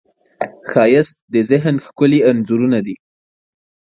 ښایست د ذهن ښکلي انځورونه دي